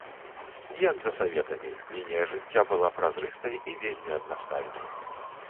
Як за саветамі, лінія жыцця была празрыстай і вельмі аднастайнай.